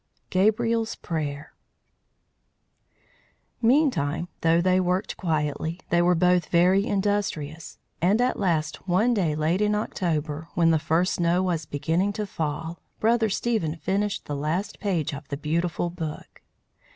GABRIEL'S PRAYER MEANTIME, though they worked quietly, they were both very industrious; and at last one day, late in October, when the first snow was beginning to fall, Brother Stephen finished the last page of the beautiful book.